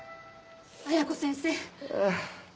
綾子先生。